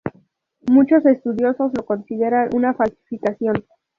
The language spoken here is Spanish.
Muchos estudiosos lo consideran una falsificación.